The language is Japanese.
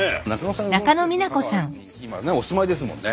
香川に今ねお住まいですもんね。